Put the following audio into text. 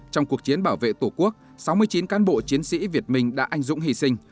trong cuộc chiến bảo vệ tổ quốc sáu mươi chín cán bộ chiến sĩ việt minh đã anh dũng hy sinh